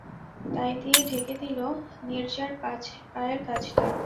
তাই দিয়ে ঢেকে দিল নীরজার পায়ের কাছটা।